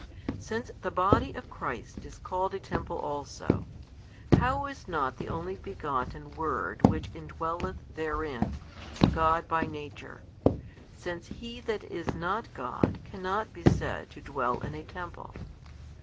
Since the Body of Christ is called a temple also, how is not the Only Begotten Word Which indwelleth therein, God by Nature, since he that is not God cannot be said to dwell in a |164 Temple?